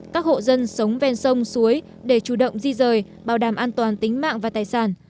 các hộ dân sống ven sông suối để chủ động di rời bảo đảm an toàn tính mạng và tài sản